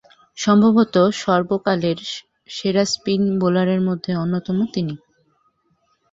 সম্ভবতঃ সর্বকালের সেরা স্পিন বোলারদের মধ্যে অন্যতম তিনি।